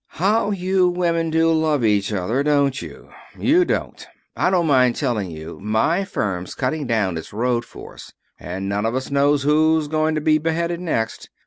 "How you women do love each other, don't you! You don't. I don't mind telling you my firm's cutting down its road force, and none of us knows who's going to be beheaded next.